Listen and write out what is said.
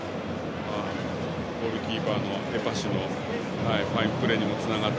ゴールキーパーのエパシのファインプレーにもつながって。